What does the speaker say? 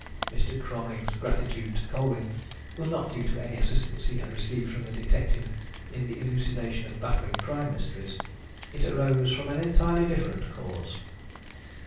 Mr. Cromering's gratitude to Colwyn was not due to any assistance he had received from the detective in the elucidation of baffling crime mysteries. It arose from an entirely different cause.